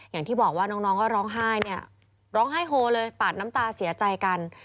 อย่างที่บอกว่าน้องก็ร้องไห้เนี่ยร้องไห้โฮเลยปาดน้ำตาเสียใจกัน